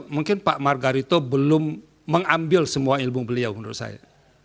mungkin pak margarito belum mengambil semua ilmu beliau menurut saya